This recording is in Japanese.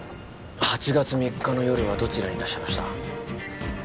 ８月３日の夜はどちらにいらっしゃいました？